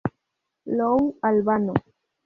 Lou Albano.